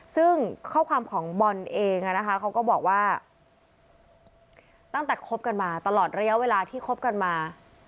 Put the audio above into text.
ซึ่งข้อความของบอลเองนะคะเขาก็บอกว่าตั้งแต่คบกันมาตลอดระยะเวลาที่คบกันมา